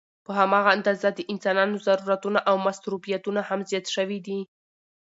په هماغه اندازه د انسانانو ضرورتونه او مصروفيتونه هم زيات شوي دي